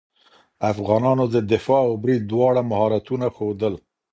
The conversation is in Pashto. افغانانو د دفاع او برید دواړه مهارتونه ښودل.